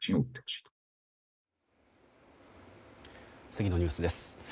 次のニュースです。